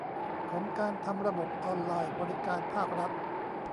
ของการทำระบบออนไลน์บริการภาครัฐ